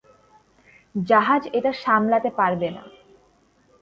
জাহাজ এটা সামলাতে পারবে না।